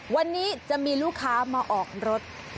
วันนี้จะมีลูกค้ามาออกรถ